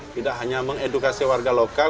tidak hanya mengedukasi warga lokal